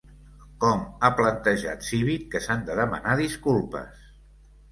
Com ha plantejat Civit que s'han de demanar disculpes?